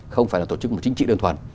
không phải là tổ chức một chính trị đơn thuần